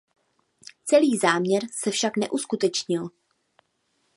Celý záměr se však neuskutečnil.